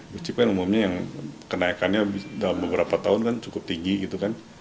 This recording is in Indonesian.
bucik kan umumnya yang kenaikannya dalam beberapa tahun kan cukup tinggi gitu kan